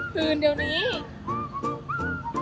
คืนเดี๋ยวนี้